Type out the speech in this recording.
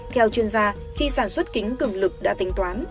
theo chuyên gia khi sản xuất kính cường lực đã tính toán